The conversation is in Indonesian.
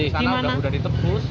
ya udah dari sana udah ditebus